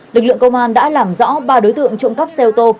lực lượng công an đã làm rõ ba đối tượng trộm cắp xe ô tô